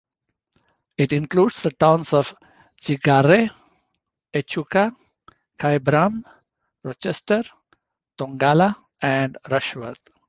It includes the towns of Girgarre, Echuca, Kyabram, Rochester, Tongala and Rushworth.